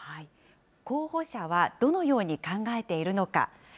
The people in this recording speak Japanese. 候補者はどのように考えているのか。